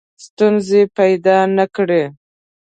ستونزې پیدا نه کړي.